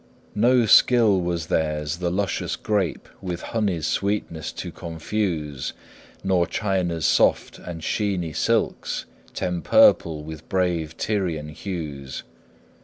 No skill was theirs the luscious grape With honey's sweetness to confuse; Nor China's soft and sheeny silks T' empurple with brave Tyrian hues.